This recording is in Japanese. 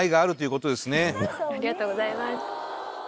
ありがとうございます。